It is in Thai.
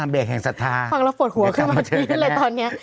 พางแล้วโบดหัวขึ้นมาทีเลยตอนนี้